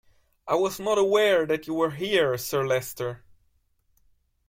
I was not aware that you were here, Sir Leicester.